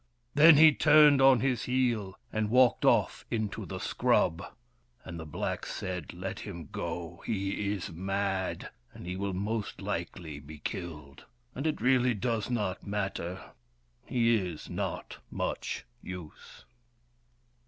Then he turned on his heel and walked off into the scrub, and the blacks said, " Let him go. He is mad, and he will most likely be killed ; and it really does not matter. He is not much use."